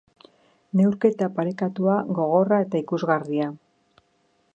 Neurketa parekatua, gogorra eta ikusgarria.